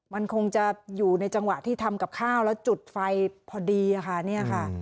มันคงจะอยู่ในจังหวะที่ทำกับข้าวและจุดไฟพอดี